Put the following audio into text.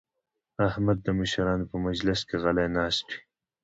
احمد د مشرانو په مجلس کې غلی ناست وي.